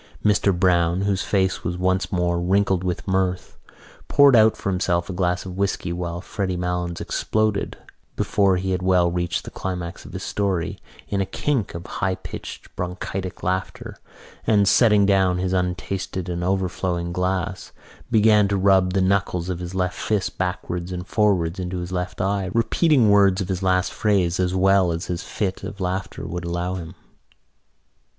Mr Browne, whose face was once more wrinkling with mirth, poured out for himself a glass of whisky while Freddy Malins exploded, before he had well reached the climax of his story, in a kink of high pitched bronchitic laughter and, setting down his untasted and overflowing glass, began to rub the knuckles of his left fist backwards and forwards into his left eye, repeating words of his last phrase as well as his fit of laughter would allow him.